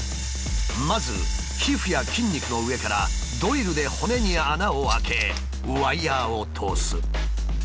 まず皮膚や筋肉の上からドリルで骨に穴を開けワイヤーを通す。